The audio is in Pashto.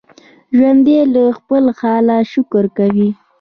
ژوندي له خپل حاله شکر کوي